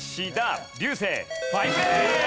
ファインプレー！